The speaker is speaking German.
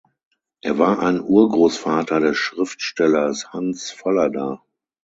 Er war ein Urgroßvater des Schriftstellers Hans Fallada.